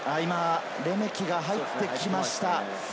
レメキが入ってきました。